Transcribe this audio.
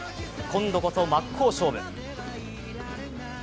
今度こそ真っ向勝負。